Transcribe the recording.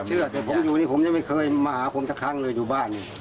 เชื่อแต่ผมอยู่นี่ผมยังไม่เคยมาหาผมสักครั้งเลยอยู่บ้าน